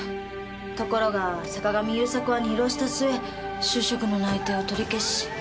ところが坂上勇作は二浪した末就職の内定を取り消し。